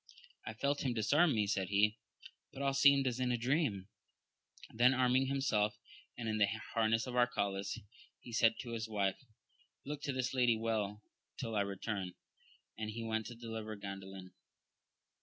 I felt him disarm me, said he, but all seemed as in a dream. Then arming himself in the harness of Arcalaus, he said to his wife, look to this lady well till I return ; and he went to deliver Gan dalin.